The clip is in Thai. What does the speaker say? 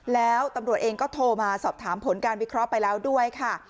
แล้วตำรวจเองก็โทรมาสอบถามผลการวิเคราะห์ไปแล้วด้วยค่ะ